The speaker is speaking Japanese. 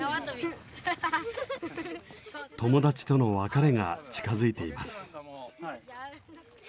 友達との別れが近づいています。